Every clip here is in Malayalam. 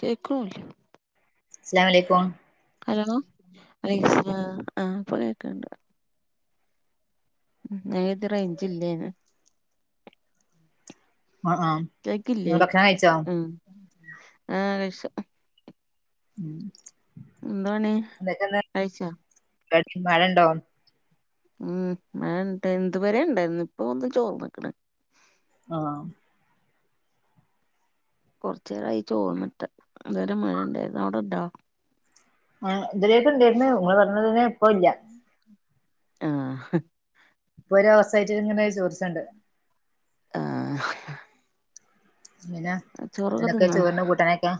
കേക്ണൂല്ല സ്ലാംലൈക്കും ഹലോ വലൈക്കുസ്സലാം ആ പ്പക്കേക്ണ്ട് ഞാകര്തി റേഞ്ചില്ലേന് ആ ആ നിങ്ങൾ കേക്കില്ലേ ഭക്ഷണം കഴിച്ചോ ഉം ആ കഴിച്ചു ഉം ന്തപണി എന്തൊക്കെന്ന് കഴിച്ചാ പരിപാടി മഴണ്ടോ ഉം മഴണ്ട് ന്തുവരെണ്ടായിരുന്നു ഇപ്പൊ ഒന്ന് ചോറ്ന്ക്ക്ണ് ആ കൊറ്ച്ചേരായി ചോർന്ന്ട്ട് ഇതുവരെ മഴണ്ടായിരുന്നു അവ്ടെണ്ടോ ആ ഇതിലേക്ക ഉണ്ടായിന്ന് നിങ്ങൾ പറഞ്ഞതിന് ഇപ്പ ഇല്ല ആഹ! ഇപ്പൊ ഒരു അവസ്ഥായിറ്റിൽ ഇങ്ങനെ ചോദിച്ചണ്ട് ആഹ! ഇങ്ങനെ എൊക്കെ ചോറിന കൂട്ടാനക്കാ?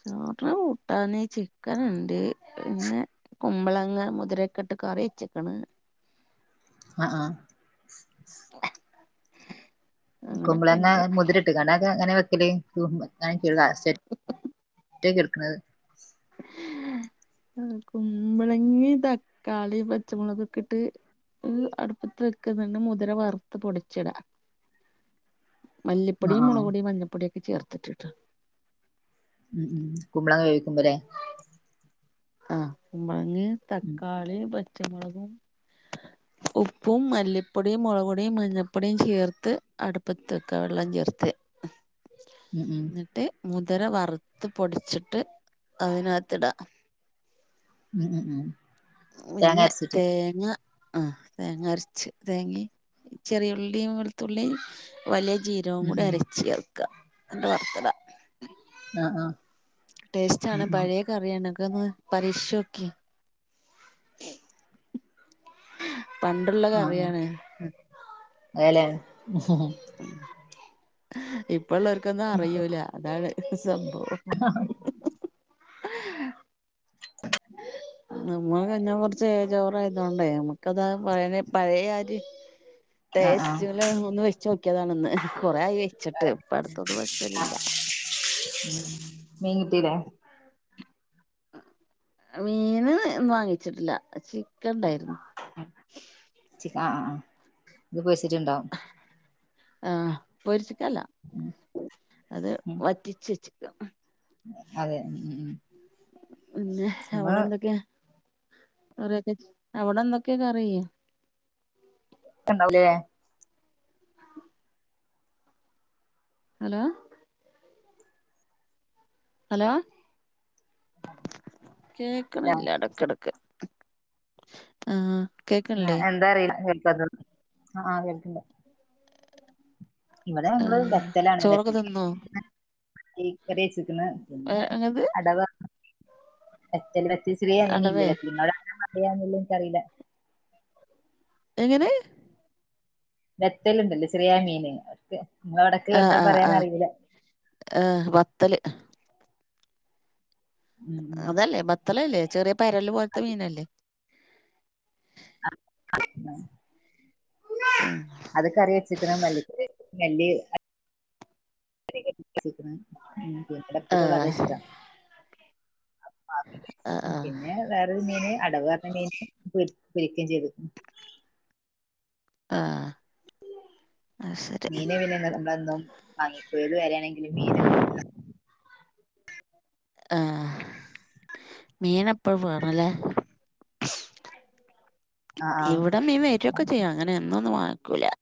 ചോറിന കൂട്ടൻ ചിക്കൻ ഉണ്ട് പിന്നെ കുമ്പളങ്ങ മുതിരക്കെട്ട് കറി വച്ചക്കണ്. ആഹ! ആ... [unintelligible] കുമ്പളങ്ങ അങ്ങനൊക്കെണ്ട് മുതിര ഇട്ട് കണ്ടക്കെ അങ്ങനെ വെക്കല് അങ്ങനെ എടുക്കുന്നത്? ഉം [unintelligible] കുമ്പളങ്ങി തക്കാളി പച്ചമുളകൊക്കെ ഇട്ട് അടുപ്പത്ത് വെക്കുന്നുണ്ട് മുതിര വറുത്ത പൊടിച്ചിട ആ മല്ലിപ്പൊടിയും, ആ മുളക് പൊടിയും, മഞ്ഞപ്പൊടിയ, ഒക്കെ ചേർത്തിട്ടിട്ടാ ഉം ഉം കുമ്പള കേവിക്കുമ്പോല്ലേ ആഹ്! മുളക്, ഉം തക്കാളി, പച്ചമുളകും, ഉപ്പും, മല്ലിപ്പൊടിയും, മുളപൊടിയും, മഞ്ഞൾപ്പൊടിയും, ചേർത്ത് അടുപ്പത്തക്കെ വെള്ളം ചേർത്ത്- ആഹ! ഉം ഉം മുതിര വറുത്ത് പൊടിച്ചിട്ട് അതിനകത്തിടാം ഉം ഉം ഉം തേങ്ങ പിന്നെ അരച്ചിട്ട് തേങ്ങ- ആഹ! തേങ്ങ അരച്ച് തേങ്ങ ചെറിയുള്ളിയും, വെളുത്തുള്ളി വലിയ- ജീരവും ഉം കൂടി ഉം അരച്ച ചേർക്കുക അറെ വർത്തട ആഹ! ആഹ! ടേസ്റ്റ് ആണ് പഴയ കറിയാണ്ക്ക ഒന്ന് പരീക്ഷോക്കി പണ്ടുള്ള കറിയാണ അലെ ഇപ്പള്ളവർക്കൊന്നും അറൂല അതാണ് സംഭവം [unintelligible] നമ്മൾ കഴഞ്ഞ കുറച്ച് ഏജോറ ആയതോണ്ടേ നക്ക് കഥ പറയന പറയ ആജി ആ ട്ടേസ് ആ ശല ഒന്ന് വെച്ചു നോക്കിയതാണന്ന് കൊറ ആയി വെച്ചിട്ട് ഇപ്പ അടുത്തൊന്ന വശലില്ല ത്തിരാ മീന് വാങ്ങിച്ചിട്ടില്ല ഉണ്ടായിരുന്നു ആ ഇത് പച്ചിട്ടുണ്ടാവും ആഹ് പൊരിച്ചിക്കല്ല അത് വറ്റിച്ച്ച്ചക്ക അതെ ഉ ഉ പിന്നെ അവിടെ എന്തൊക്കെയ? ഒരൊക്കെച്ച് അവിടെന്തൊക്കെയ കാറി ക്ക്ണ്ടാവുലേ ഹലോ ഹലോ ല്ലേ കേക്കണില്ല എടക്കെടക്ക് ആഹ് ആഹ് ആഹ് എന്താ അറില്ല കേൾക്കാതെന് ആഹ് ആഹ് കേൾക്ക്ണ്ട് ഇവിടെ ഞങ്ങള് ആഹ് വെറ്റലാണ് ചോറൊക്കെ വെറ്റ്ൽ തിന്നോ [unintelligible] ഈ പ്രെദേഷ് പിന്നെ പിന്നെ അങ്ങത് അടവാണ് ചേല വത്ത്ലി ശ്രീ അങ്ങിനി ഇല്ലേ അടവേ വത്ലിങ്ങൾ [unintelligible] അറിയാനുള്ളൊന്ന് എനിക്കറില്ല എങ്ങനെ ബേത്തലുണ്ടല്ലോ ചെറിയ മീന് അവർക്ക് നിങ്ങളടക് ആഹ് എന്താ ആഹ് പറയാന് ആഹ് അറീല്ല ആഹ് ബത്തല് ഉം അതല്ലേ ബത്തലല്ലേ ചെറിയ പരല് പോലത്തെ മീനല്ലേ [unintelligible] ആഹ് അത് കറി വെച്ചേക്കണ് മല്ലിപ്പൊടി ഇട്ട്. [unintelligible] [unintelligible] കറിവെച്ച്ക്കണ് ഇം ഇവിടെ ഉപ്പക്കൊക്കെ അത് ആഹ് ഇഷ്ട്ടാ ആഹ് [unintelligible] ആഹ് പിന്നെ വേറെ. [unintelligible] അടവ് അർണ മീന് പൊരി പൊരിക്കേ ചെയ്ത് ആഹ് അത് ശരി മീനെ പിന്നെ നമ്മളെന്നും. [unintelligible] ആഹ് മീന് എപ്പഴും വെറൂല്ലേ ആ ആ ഇവിടെ മീൻ വെരൊക്കെ ചെയ്യും അങ്ങനെ എന്നൊന്നും വാങ്ങിക്കൂല്ലാ.